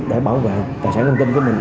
để bảo vệ tài sản thông tin của mình